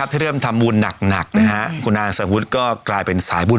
พระนอนท่านนอนอยู่